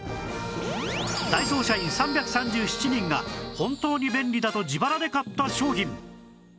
ダイソー社員３３７人が本当に便利だと自腹で買った商品